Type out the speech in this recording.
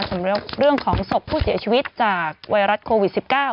สำหรับเรื่องของศพผู้เสียชีวิตจากไวรัสโควิด๑๙